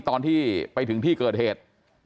ตอนที่ไปถึงที่เกิดเหตุ